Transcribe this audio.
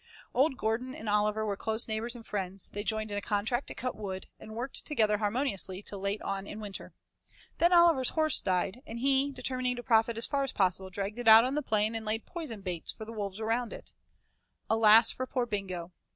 Old Gordon and Oliver were close neighbors and friends; they joined in a contract to cut wood, and worked together harmoniously till late on in winter. Then Oliver's old horse died, and he, determining to profit as far as possible, dragged it out on the plain and laid poison baits for wolves around it. Alas for poor Bingo!